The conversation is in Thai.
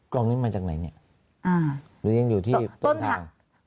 กล่องนี้มาจากไหนเนี่ยหรือยังอยู่ที่ต้นทาง